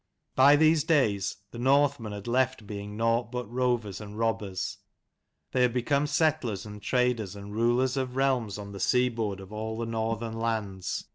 By these days the Northmen had left being nought but rovers and robbers : they had become settlers and traders and rulers of realms on the seaboard of all the northern lands.